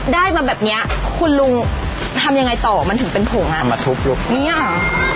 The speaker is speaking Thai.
ได้มาแบบเนี้ยคุณลุงทำยังไงต่อมันถึงเป็นผงอ่ะเอามาทุบลูกเนี้ย